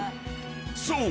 ［そう］